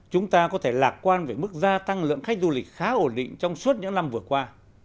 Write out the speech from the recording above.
chúng ta có thể lạc quan về mức gia tăng lượng khách du lịch khá ổn định trong suốt những năm vừa qua